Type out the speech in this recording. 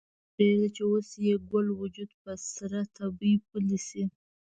پریږده چې اوس یې ګل وجود په سره تبۍ پولۍ شي